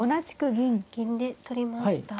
銀で取りました。